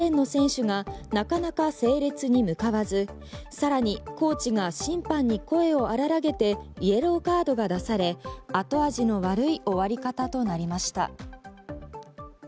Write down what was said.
また、５７ｋｇ級でも敗れた北朝鮮の選手がなかなか整列に向かわずさらにコーチが審判に声を荒げてイエローカードが出され後味の悪い終わり方となりました。